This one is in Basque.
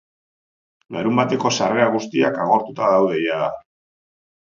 Larunbateko sarrera guztiak agortuta daude jada.